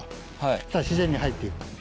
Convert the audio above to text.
そしたら自然に入っていく。